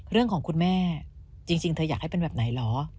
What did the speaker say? เรื่องของคุณแม่จริงจริงเธออยากให้เป็นแบบไหนหรอ